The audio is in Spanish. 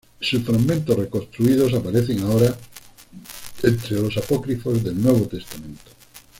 Sus fragmentos reconstruidos aparecen ahora entre los apócrifos del Nuevo Testamento.